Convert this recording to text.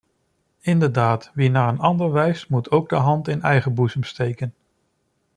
Inderdaad, wie naar een ander wijst, moet ook de hand in eigen boezem steken.